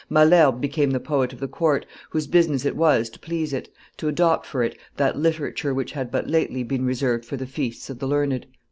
Malherbe became the poet of the court, whose business it was to please it, to adopt for it that literature which had but lately been reserved for the feasts of the learned.